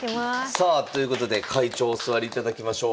さあということで会長お座りいただきましょう。